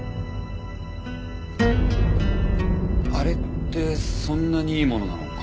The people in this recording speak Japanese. あれってそんなにいいものなのか？